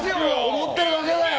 踊ってるだけだよ！